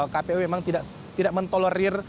kpu memang tidak mentolerir